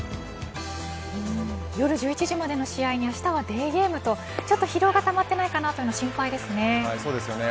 夜１１時までの試合にあしたはデーゲームとちょっと疲労がたまってないかと心配ですね。